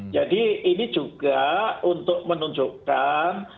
jadi ini juga untuk menuntutkan